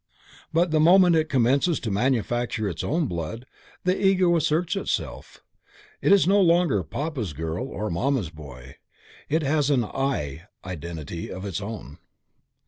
But the moment it commences to manufacture its own blood, the Ego asserts itself, it is no longer Papa's girl or Mamma's boy, it has an "I" dentity of its own.